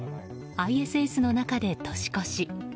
ＩＳＳの中で年越し。